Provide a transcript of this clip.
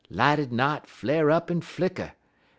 Light'd knot flar' up en flicker.